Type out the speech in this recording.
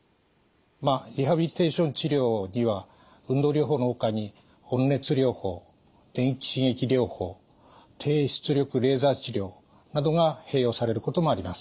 まあリハビリテーション治療には運動療法のほかに温熱療法電気刺激療法低出力レーザー治療などが併用されることもあります。